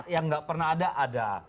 yang nggak pernah ada ada